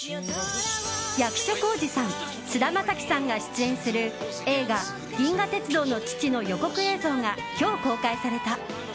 役所広司さん、菅田将暉さんが出演する映画「銀河鉄道の父」の予告映像が今日、公開された。